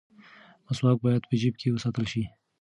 مسواک باید په جیب کې وساتل شي.